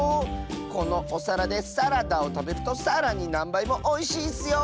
このおさらで「サラ」ダをたべると「さら」になんばいもおいしいッスよ！